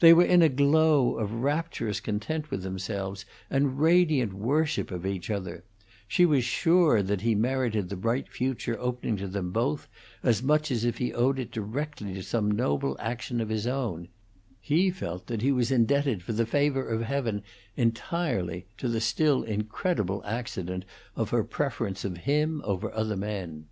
They were in a glow of rapturous content with themselves and radiant worship of each other; she was sure that he merited the bright future opening to them both, as much as if he owed it directly to some noble action of his own; he felt that he was indebted for the favor of Heaven entirely to the still incredible accident of her preference of him over other men.